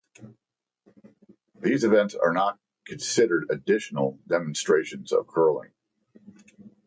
These events are not considered additional demonstrations of curling.